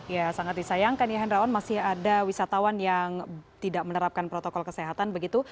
ya sangat disayangkan ya hendrawan masih ada wisatawan yang tidak menerapkan protokol kesehatan begitu